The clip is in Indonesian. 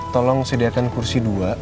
tolong sediakan kursi dua